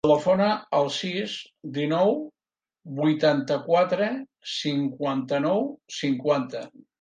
Telefona al sis, dinou, vuitanta-quatre, cinquanta-nou, cinquanta.